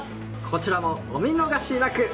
こちらもお見逃しなく。